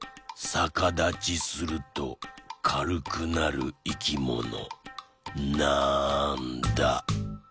さかだちするとかるくなるいきもの？